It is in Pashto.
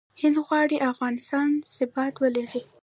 هند غواړي افغانستان ثبات ولري.